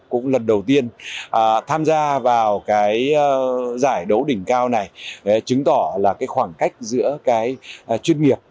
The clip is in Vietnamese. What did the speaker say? cũng lần đầu tiên tham gia vào cái giải đấu đỉnh cao này chứng tỏ là cái khoảng cách giữa cái chuyên nghiệp